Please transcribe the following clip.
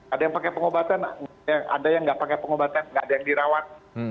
ada yang pakai pengobatan ada yang nggak pakai pengobatan nggak ada yang dirawat